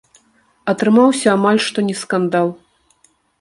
Атрымаўся амаль што не скандал.